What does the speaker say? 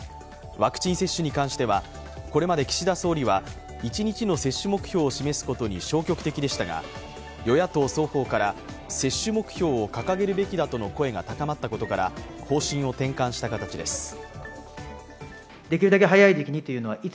ワクチン接種に関してはこれまで岸田総理は一日の接種目標を示すことに消極的でしたが与野党双方から接種目標を掲げるべきだとの声が高まったことから、方針を転換した形です。